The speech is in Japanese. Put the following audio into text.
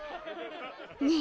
ねえ